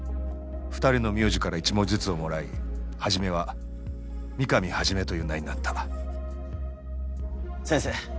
２人の名字から１文字ずつをもらい始は「美神始」という名になった先生